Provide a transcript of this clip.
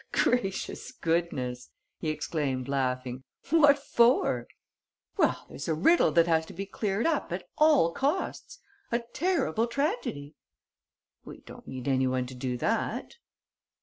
"Gracious goodness!" he exclaimed, laughing. "What for?" "Well, there's a riddle that has to be cleared up at all costs, a terrible tragedy." "We don't need any one to do that."